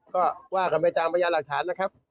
ก็ว่ากันไปตามพยานหลักฐานนะครับ